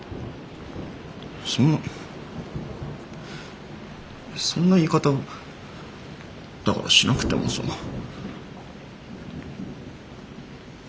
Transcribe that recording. そんなそんな言い方をだからしなくてもさあ。